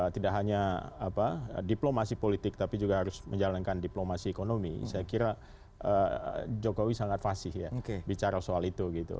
tidak hanya diplomasi politik tapi juga harus menjalankan diplomasi ekonomi saya kira jokowi sangat fasih ya bicara soal itu gitu